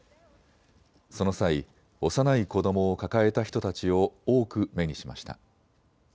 その際、幼い子どもを抱えた人たちを多く目にしました。